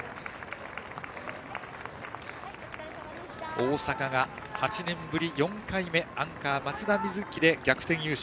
大阪が８年ぶり４回目アンカー、松田瑞生で逆転優勝。